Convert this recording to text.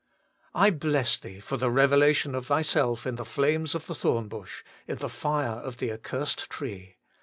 I bless Thee for the revelation of Thyself in the flames of the thorn bush, in the fire of the accursed tree.